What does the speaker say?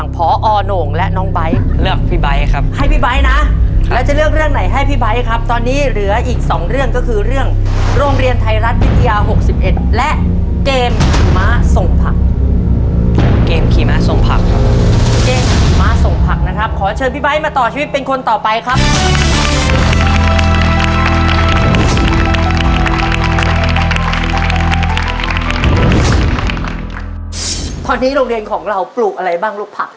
ตอนนี้โรงเรียนของเราปลูกอะไรบ้างลูกผัก